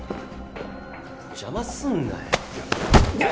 邪魔すんなよ。